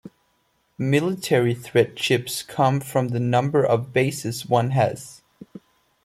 Military Threat chips come from the number of Bases one has.